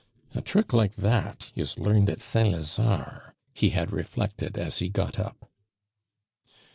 "A trick like that is learned at Saint Lazare," he had reflected as he got up.